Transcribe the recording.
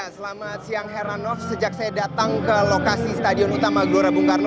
selamat siang heranov sejak saya datang ke lokasi stadion utama gelora bung karno